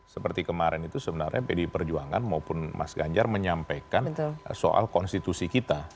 seperti kemarin itu sebenarnya pdi perjuangan maupun mas ganjar menyampaikan soal konstitusi kita